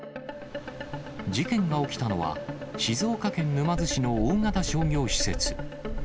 事件が起きたのは、静岡県沼津市の大型商業施設。